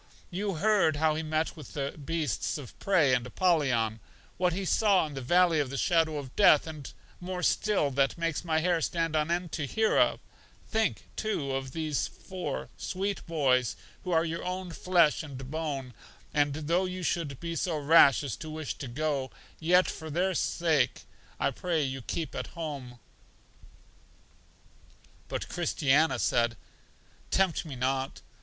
You heard how he met with the beasts of prey and Apollyon, what he saw in the Valley of the Shadow of Death, and more still that makes my hair stand on end to hear of; think, too, of these four sweet boys who are your own flesh and bone; and, though you should be so rash as to wish to go, yet for their sale, I pray you keep at home. But Christiana said: Tempt me not.